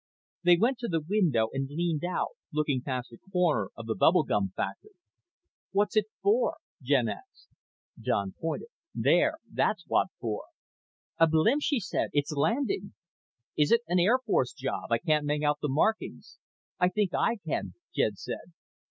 They went to the window and leaned out, looking past a corner of the bubble gum factory. "What's it for?" Jen asked. Don pointed. "There. That's what for." "A blimp!" she said. "It's landing!" "Is it an Air Force job? I can't make out the markings." "I think I can," Jen said.